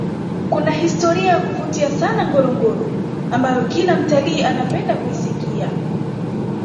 kuna historian ya kuvutia sana ngorongoro ambayo Kila mtalii anapenda kuisikia